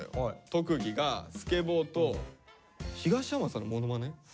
特技が「スケボー」と「東山さんのモノマネ」。